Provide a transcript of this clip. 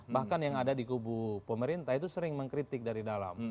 bahkan yang ada di kubu pemerintah itu sering mengkritik dari dalam